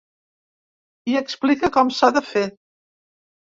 I explica com s’ha de fer.